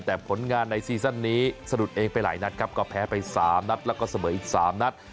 แต่ผลงานในซีซั่นนี้สะดุดเองไปหลายนัดครับก็แพ้ไป๓นัดแล้วก็เสมออีก๓นัด